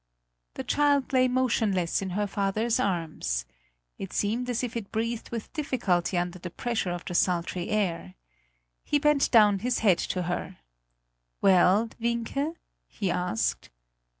The child lay motionless in her father's arms. It seemed as if it breathed with difficulty under the pressure of the sultry air. He bent down his head to her: "Well, Wienke?" he asked.